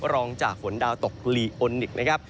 รองจากฝนดาวตกลีโอนิกนะครับ